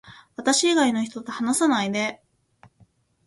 私以外の人と話さないで